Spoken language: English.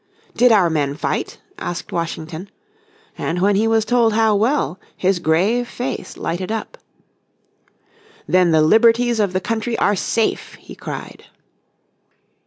"Did our men fight?" asked Washington. And when he was told how well, his grave face lighted up. "Then the liberties of the country are safe," he cried.